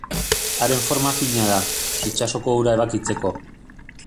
Haren forma fina da, itsasoko ura ebakitzeko.